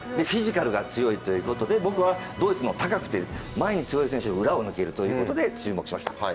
フィジカルが強いということで、ドイツの高くて強い選手の裏を抜けるということで注目しました。